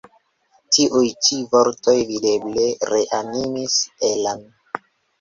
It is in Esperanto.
Tiuj ĉi vortoj videble reanimis Ella'n.